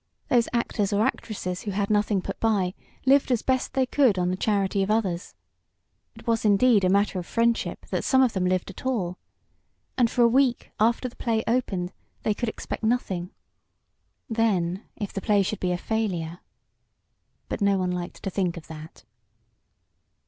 Those actors or actresses who had nothing put by lived as best they could on the charity of others. It was indeed "a matter of friendship" that some of them lived at all. And for a week after the play opened they could expect nothing. Then if the play should be a failure But no one liked to think of that.